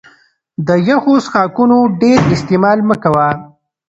د يخو څښاکونو ډېر استعمال مه کوه